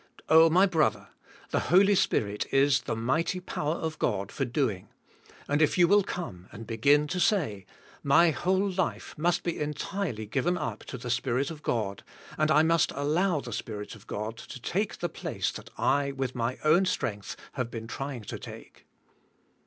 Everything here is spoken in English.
Oh, my brother, the Holy Spirit is the mighty power of God for doing", and if you will come and beg*in to say, My whole life must be entirely g iven up to the Spirit of God, and I must allow the Spirit of God to take the place that I, with my own strength, have been trying to take.